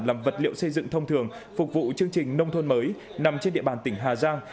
làm vật liệu xây dựng thông thường phục vụ chương trình nông thôn mới nằm trên địa bàn tỉnh hà giang